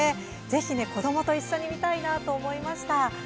ぜひ子どもと一緒に見たいなと思いました。